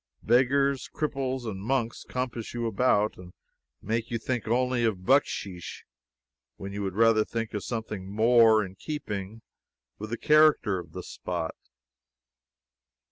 Beggars, cripples and monks compass you about, and make you think only of bucksheesh when you would rather think of something more in keeping with the character of the spot.